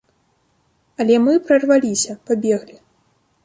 Але мы прарваліся, пабеглі.